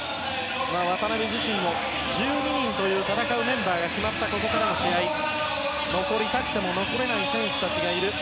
渡邊自身も１２人という戦うメンバーが決まった、ここからの試合残りたくても残れない選手たちがいる。